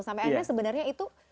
sampai akhirnya sebenarnya itu